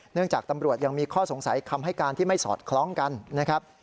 จากตำรวจยังมีข้อสงสัยคำให้การที่ไม่สอดคล้องกันนะครับ